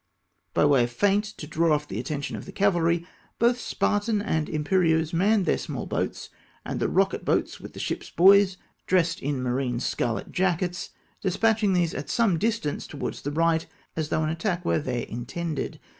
By way of feint, to draw off the attention of the cavahy, both Spartan and Imperieuse manned their small boats and the rocket boats with the ships' boys, dressed in marines' scarlet jackets, despatching these at some distance toAvards the right, as though an attack were there intended.